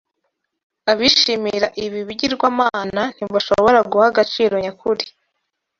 Abishimira ibi bigirwamana ntibashobora guha agaciro nyakuri